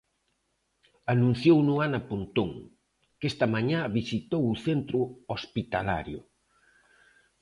Anunciouno Ana Pontón, que esta mañá visitou o centro hospitalario.